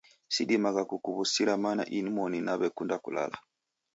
Sidimagha kukuw'usira mana inmoni naw'ekunda kulala.